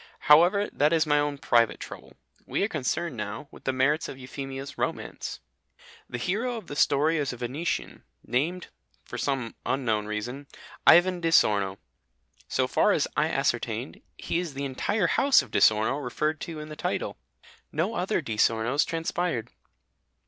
However, that is my own private trouble. We are concerned now with the merits of Euphemia's romance. The hero of the story is a Venetian, named (for some unknown reason) Ivan di Sorno. So far as I ascertained, he is the entire house of Di Sorno referred to in the title. No other Di Sornos transpired.